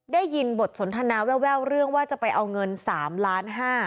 ได้ยินบทสนทนาแววเรื่องว่าจะไปเอาเงิน๓ล้าน๕